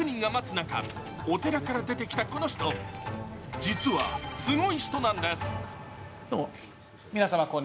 中、お寺から出てきたこの人、実はすごい人なんです。